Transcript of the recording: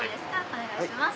お願いします。